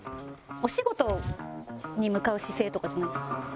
お仕事に向かう姿勢とかじゃないですか？